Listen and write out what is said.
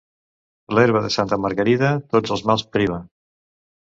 L'herba de santa Margarida tots els mals priva.